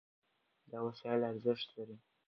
دا وسایل ارزښت لري.